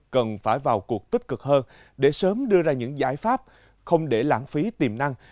cần phải vào cuộc tích cực hơn để sớm đưa ra những giải pháp không để lãng phí tiềm năng